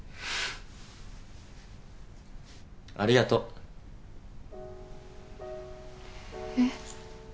ありがとう。えっ？